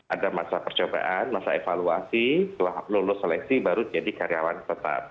ada masa percobaan masa evaluasi setelah lulus seleksi baru jadi karyawan tetap